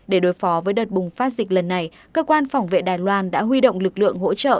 để đối phó với đợt bùng phát dịch lần này cơ quan phòng vệ đài loan đã huy động lực lượng hỗ trợ